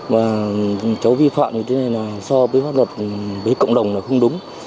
mà cháu vi phạm như thế này là so với pháp luật với cộng đồng là không đúng